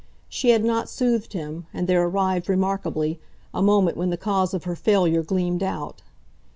She had not soothed him, and there arrived, remarkably, a moment when the cause of her failure gleamed out.